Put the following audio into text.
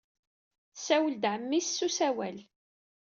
Tessawel d ɛemmi-s s usawal.